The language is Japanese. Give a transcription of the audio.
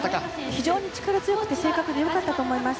非常に力強くて正確で良かったと思います。